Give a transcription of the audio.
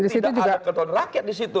tidak ada kedotoran rakyat disitu